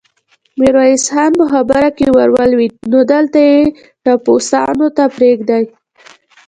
ميرويس خان په خبره کې ور ولوېد: نو دلته يې ټپوسانو ته پرېږدې؟